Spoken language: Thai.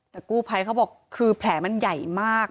แต่กู้ภัยเขาบอกคือแผลมันใหญ่มาก